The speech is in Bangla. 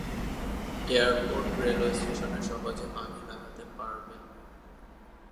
তুলনামূলকভাবে ইউরোপ এবং যুক্তরাষ্ট্র থেকে এটি অনেক কম।